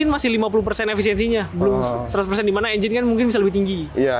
masih lima puluh persen efisiensinya belum seratus persen dimana engine kan mungkin bisa lebih tinggi